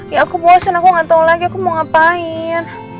ya aku bosan aku nggak tahu lagi aku mau ngapain